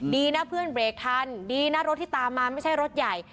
ดีนะเพื่อนเบรกทันดีนะรถที่ตามมาไม่ใช่รถใหญ่